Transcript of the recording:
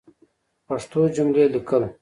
پښتو جملی لیکل